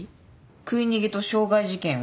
食い逃げと傷害事件を？